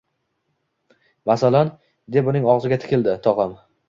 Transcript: – Masalan? – deb uning og‘ziga tikildi tog‘am